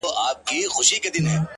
• قاضي صاحبه ملامت نه یم ـ بچي وږي وه ـ